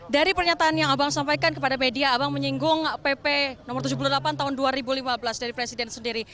dari pernyataan yang abang sampaikan kepada media abang menyinggung pp no tujuh puluh delapan tahun dua ribu lima belas dari presiden sendiri